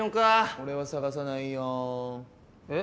俺は捜さないよん。